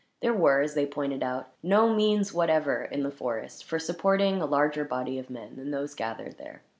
There were, as they pointed out, no means whatever in the forest for supporting a larger body of men than those gathered there.